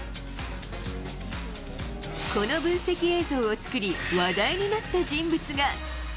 この分析映像を作り話題になった人物が。